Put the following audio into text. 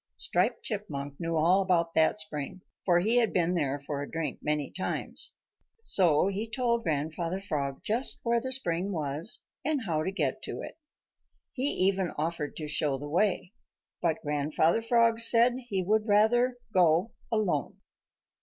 Striped Chipmunk knew all about that spring, for he had been there for a drink many times. So he told Grandfather Frog just where the spring was and how to get to it. He even offered to show the way, but Grandfather Frog said that he would rather go alone.